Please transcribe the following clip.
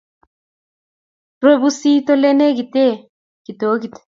Rue pusit ole negitee kitokit